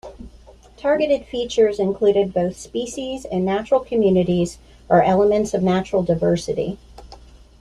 Targeted features included both species and natural communities, or elements of natural diversity.